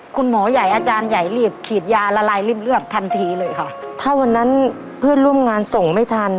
คุณหมอใหญ่อาจารย์ใหญ่รีบฉีดยาละลายรีบเลือกทันทีเลยค่ะถ้าวันนั้นเพื่อนร่วมงานส่งไม่ทัน